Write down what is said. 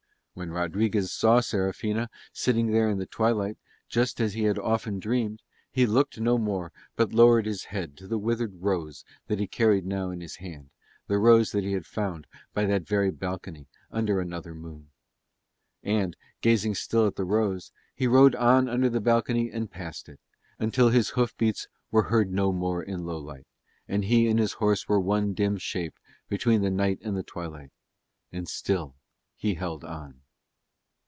When Rodriguez saw Serafina sitting there in the twilight, just as he had often dreamed, he looked no more but lowered his head to the withered rose that he carried now in his hand, the rose that he had found by that very balcony under another moon. And, gazing still at the rose, he rode on under the balcony, and passed it, until his hoof beats were heard no more in Lowlight and he and his horse were one dim shape between the night and the twilight. And still he held on.